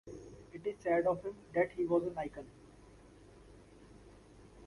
It is said of him that he was an icon.